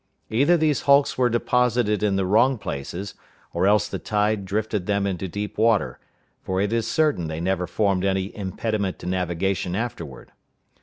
Either these hulks were deposited in the wrong places, or else the tide drifted them into deep water, for it is certain they never formed any impediment to navigation afterward.